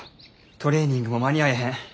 トレーニングも間に合えへん。